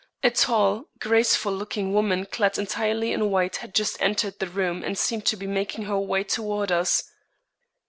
A tall, graceful looking woman clad entirely in white had just entered the room and seemed to be making her way toward us.